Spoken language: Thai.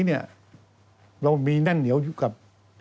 เรามีแน่นเหนียวอยู่กับ